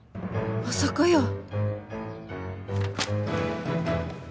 まさかやー。